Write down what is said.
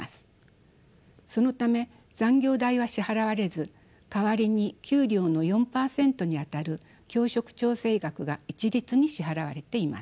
そのため残業代は支払われず代わりに給料の４％にあたる教職調整額が一律に支払われています。